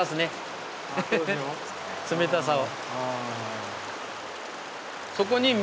冷たさを。